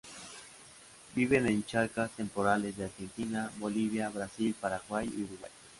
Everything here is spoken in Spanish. Viven en charcas temporales de Argentina, Bolivia, Brasil, Paraguay y Uruguay.